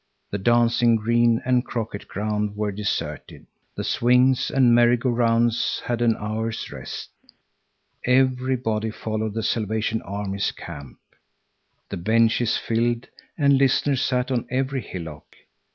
The dancing green and croquet ground were deserted. The swings and merry go rounds had an hour's rest. Everybody followed to the Salvation Army's camp. The benches filled, and listeners sat on every hillock.